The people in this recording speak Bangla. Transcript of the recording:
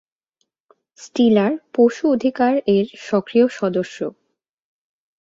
স্টিলার পশু অধিকার এর সক্রিয় সদস্য।